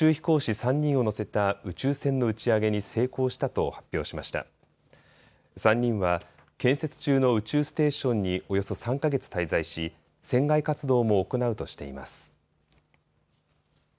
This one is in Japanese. ３人は建設中の宇宙ステーションにおよそ３か月滞在し、船外活動も行うとしています。